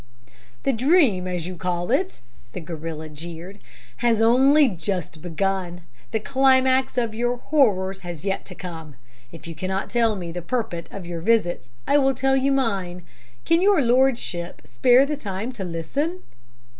"'The dream, as you call it,' the gorilla jeered, 'has only just begun; the climax of your horrors has yet to come. If you cannot tell me the purport of your visit I will tell you mine. Can your lordship spare the time to listen?'